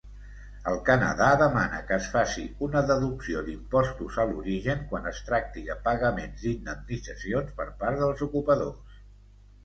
El Canadà demana que es faci una deducció d'impostos a l'origen quan es tracti de pagaments d'indemnitzacions per part dels ocupadors.